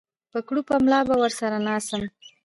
په کړوپه ملا به ورسره ناڅم